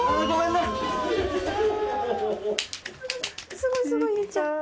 すごいすごいゆうちゃん。